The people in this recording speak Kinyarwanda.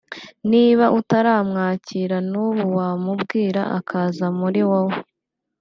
Niba utaramwakira n’ubu wamubwira akaza muri wowe